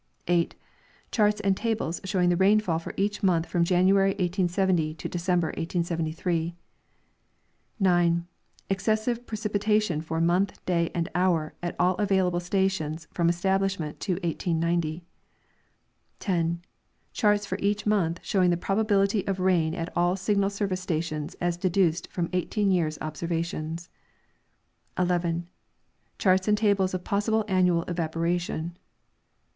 8. Charts and tables showing the rainfall for each month from January, 1870, to December, 1873. 9. Excessive precipitation for month, day and hour at all available stations from establishment to 1890. 10. Charts for each month, showing the probability of rain at all Signal service stations as deduced from 18 years' observations. 11. Charts and tables of possible annual evaporation.